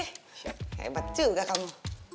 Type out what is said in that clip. hebat juga kamu